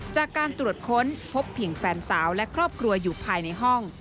จากการตรวจค้นพบเพียงแฟนสาวและครอบครัวอยู่ภายในห้อง